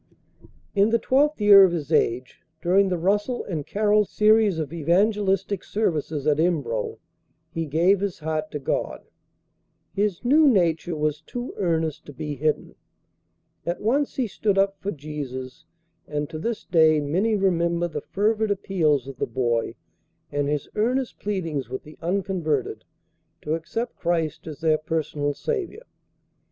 In the twelfth year of his age, during the Russell and Carroll series of evangelistic services at Embro, he gave his heart to God. His new nature was too earnest to be hidden. At once he stood up for Jesus, and to this day many remember the fervid appeals of the boy, and his earnest pleadings with the unconverted to accept Christ as their personal Saviour.